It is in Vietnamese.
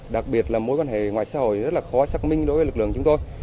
đặc biệt là mối quan hệ ngoại xã hội rất là khó xác minh đối với lực lượng chúng tôi